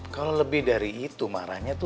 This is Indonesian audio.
kalau lebih dari itu marahnya tuh